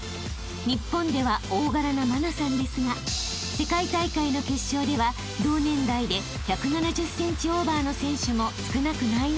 ［日本では大柄な茉奈さんですが世界大会の決勝では同年代で１７０ｃｍオーバーの選手も少なくないのだとか］